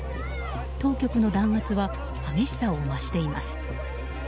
当局の弾圧は激しさを増しています。